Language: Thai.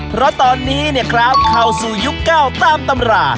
เพราะตอนนี้เข้าสู่ยุค๙ตามตำร่า